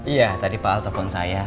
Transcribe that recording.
iya tadi pak al telepon saya